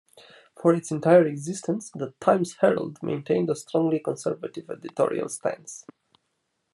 For its entire existence, the "Times-Herald" maintained a strongly conservative editorial stance.